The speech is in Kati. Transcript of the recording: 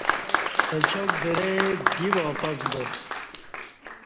اچاک درے دی واپس با